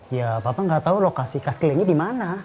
iya papa gak tau lokasi kaskilingnya dimana